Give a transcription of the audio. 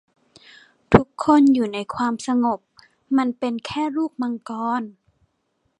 ทุกคนอยู่ในความสงบ มันเป็นแค่ลูกมังกร